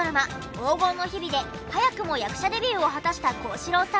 『黄金の日日』で早くも役者デビューを果たした幸四郎さんは。